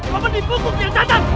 kau menipu ku tia tata